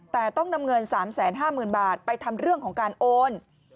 แต่ต้องนำเงิน๓๕๐๐๐บาทไปทำเรื่องของการโอน